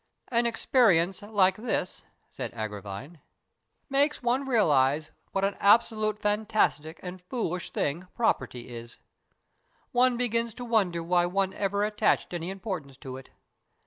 " An experience like this," said Agravine, " makes 94 STORIES IN GREY one realize what an absolutely fantastic and foolish thing property is. One begins to wonder why one ever attached any importance to it.